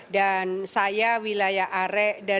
dan saya wilayah arek